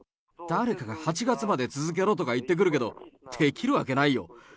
誰かが８月まで続けろとか言ってくるけど、できるわけないよ。